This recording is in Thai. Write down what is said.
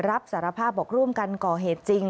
รับสารภาพบอกร่วมกันก่อเหตุจริง